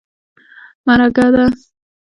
_مرکه ده.